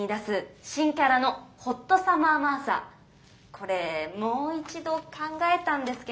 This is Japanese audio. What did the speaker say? これもう一度考えたんですけ